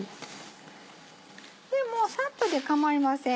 もうサッとで構いません